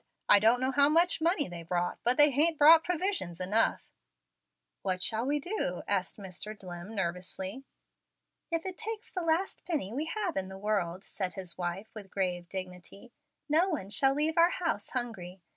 I don't know how much money they brought, but they hain't brought provisions enough." "What shall we do?" asked Mr. Dlimm, nervously. "If it takes the last penny we have in the world," said his wife, with grave dignity, "no one shall leave our house hungry.